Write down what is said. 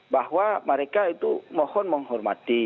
bahwa mereka itu mohon menghormati